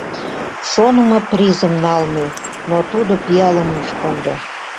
Шонымо призым налме, но тудо пиалым ыш кондо.